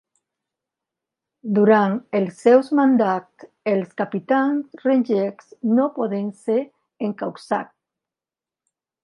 Durant els seus mandats, els capitans regents no poden ser encausats.